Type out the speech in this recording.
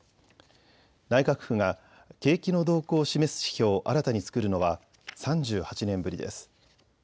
内閣府が景気の動向を示す指標を新たに作るのは３８年ぶりです。